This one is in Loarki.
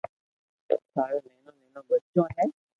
ٿاري نينو نينو ٻچو ھي